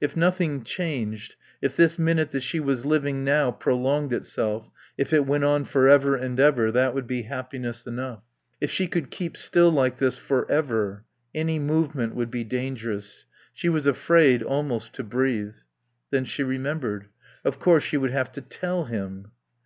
If nothing changed, if this minute that she was living now prolonged itself, if it went on for ever and ever, that would be happiness enough. If she could keep still like this for ever Any movement would be dangerous. She was afraid almost to breathe. Then she remembered. Of course, she would have to tell him.